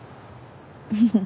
フフフッ。